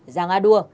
giàng a đua